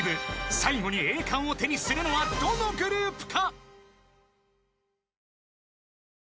最後に栄冠を手にするのはどのグループか？］